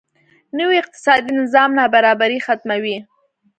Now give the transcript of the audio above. نوی اقتصادي نظام نابرابري ختموي.